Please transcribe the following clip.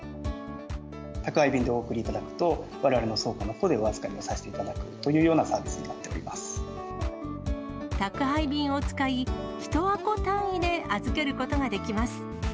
宅配便でお送りいただくと、われわれの倉庫のほうでお預かりをさせていただくというようなサ宅配便を使い、１箱単位で預けることができます。